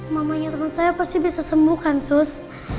mamanya teman saya pasti bisa sembuh kan sus